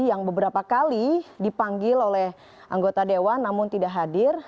yang beberapa kali dipanggil oleh anggota dewan namun tidak hadir